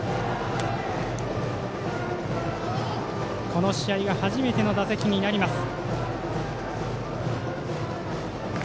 この試合初めての打席になります。